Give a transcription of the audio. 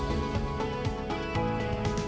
jum'at kita ada di sisi